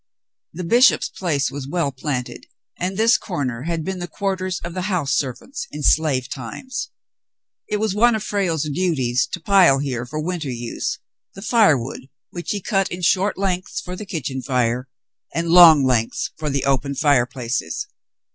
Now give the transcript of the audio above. The bishop's place was well planted, and this corner had been the quarters of the house servants in slave times. It was one of Frale's duties to pile here, for winter use, the firewood which he cut in short lengths for the kitchen fire, and long lengths for the open fireplaces.